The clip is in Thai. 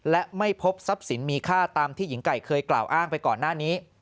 และไม่พบทรัพย์สินมีค่าตามที่หญิงไก่เคยกล่าวอ้างไปก่อนหน้านี้